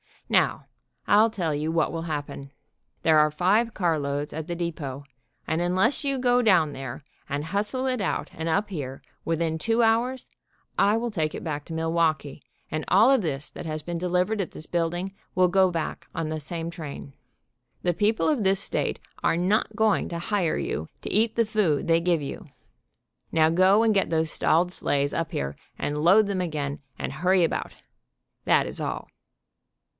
Now, I'll tell you what will happen. There are five carloads at the depot, and unless you go down there and hustle it out and up here, within two hours, I will take it back to Milwaukee, and all of this that has been delivered at this building will go back on the same train. The people of this state are not going to hire you to eat the food they give you. Now go and get those stalled sleighs up here, and load them again, and hurry about. That is all."